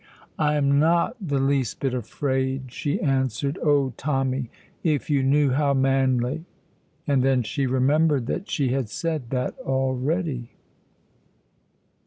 "I am not the least bit afraid," she answered. "Oh Tommy, if you knew how manly " And then she remembered that she had said that already.